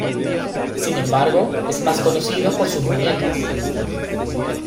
Sin embargo, es más conocido por sus muñecas.